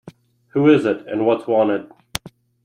Who is it, and what's wanted?